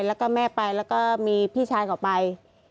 แล้วก็แม่ไปแล้วก็มีพี่ชายเขาไป